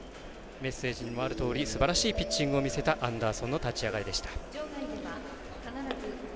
メッセージにもあるとおりすばらしいピッチングを見せたアンダーソンの立ち上がりでした。